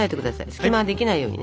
隙間ができないようにね。